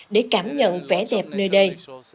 để cảm nhận vẻ đẹp nơi đây